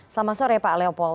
selamat sore pak leopold